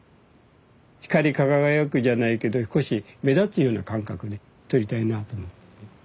光り輝くじゃないけど少し目立つような感覚で撮りたいなあと。